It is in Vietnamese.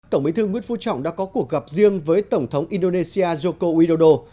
tổng bí thư nguyễn phú trọng đã có cuộc gặp riêng với tổng thống indonesia joko widodo